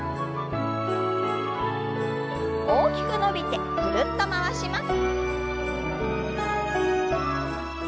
大きく伸びてぐるっと回します。